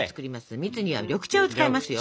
蜜には緑茶を使いますよ。